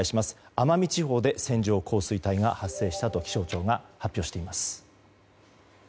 奄美地方で線状降水帯が発生したと気象庁が発表しています。